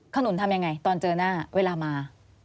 ขนุนทำยังไงตอนเจอหน้าเวลามา